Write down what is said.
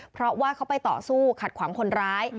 เพราะว่าเขาไปต่อสู้ขัดขวางคนร้าย